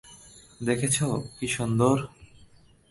দেখেছ, কী সুন্দর!